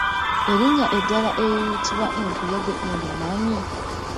Erinnya eddala eriyitibwa enkuyege olimanyi?